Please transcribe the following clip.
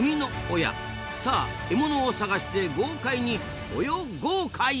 さあ獲物を探して豪快に泳ごうかい！